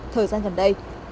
thời gian gần đây